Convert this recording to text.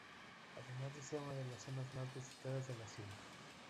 Además de ser una de las zonas más visitadas de la ciudad.